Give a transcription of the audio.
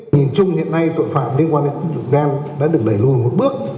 nhìn chung hiện nay tội phạm liên quan đến tín dụng đen đã được đẩy lùi một bước